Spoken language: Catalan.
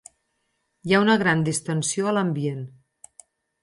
Hi ha una gran distensió a l'ambient.